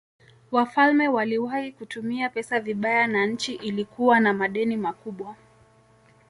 Wafalme waliwahi kutumia pesa vibaya na nchi ilikuwa na madeni makubwa.